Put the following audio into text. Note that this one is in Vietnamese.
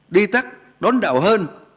đi tắc đón đạo hơn